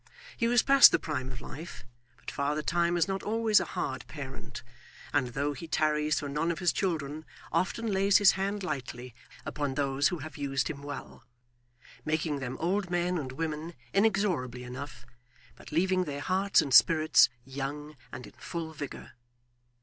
He was past the prime of life, but Father Time is not always a hard parent, and, though he tarries for none of his children, often lays his hand lightly upon those who have used him well; making them old men and women inexorably enough, but leaving their hearts and spirits young and in full vigour.